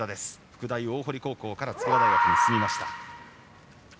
福大大濠高校から筑波大学に進みました。